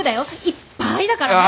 いっぱいだからね。